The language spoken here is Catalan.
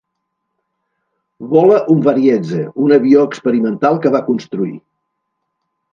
Vola un Varieze, un avió experimental que va construir.